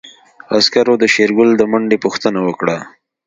عسکرو د شېرګل د منډې پوښتنه وکړه.